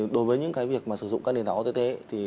đối với những việc sử dụng các nền tảng ott